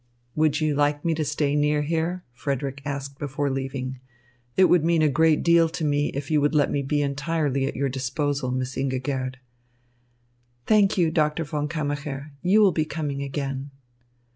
"Would you like me to stay near here?" Frederick asked before leaving. "It would mean a great deal to me if you would let me be entirely at your disposal, Miss Ingigerd." "Thank you, Doctor von Kammacher, you will be coming again."